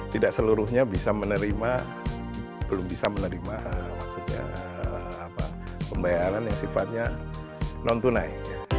tidak seluruhnya bisa menerima belum bisa menerima maksudnya pembayaran yang sifatnya non tunai